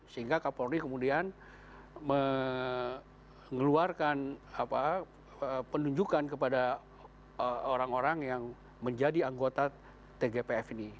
sehingga kapolri kemudian mengeluarkan penunjukan kepada orang orang yang menjadi anggota tgpf ini